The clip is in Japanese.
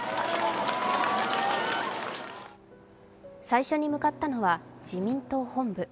最初に向かったのは自民党本部。